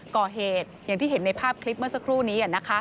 ก่อเหตุอย่างที่เห็นในภาพคลิปเมื่อสักครู่นี้